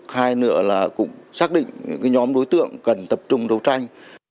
hai nữa là cũng xác định những nhóm đối tượng cần tập trung đấu tranh